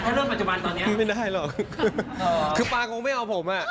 ถ้าเริ่มปัจจุบันตอนนี้ไม่ได้หรอกคือปางคงไม่เอาผม